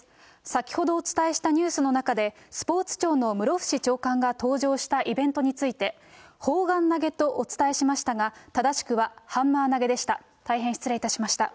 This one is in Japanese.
先ほどお伝えしたニュースの中で、スポーツ庁の室伏長官が登場したイベントについて、砲丸投げとお伝えしましたが、正しくはハンマー投げでした。